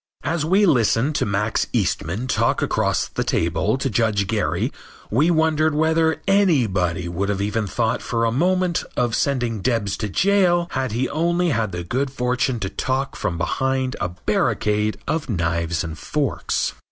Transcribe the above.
As we listened to Max Eastman talk across the table to Judge Gary we wondered whether anybody would have even thought for a moment of sending Debs to jail if he had only had the good fortune to talk from behind a barricade of knives and forks.